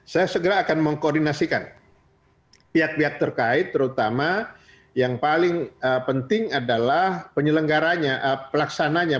saya segera akan mengkoordinasikan pihak pihak terkait terutama yang paling penting adalah penyelenggaranya pelaksananya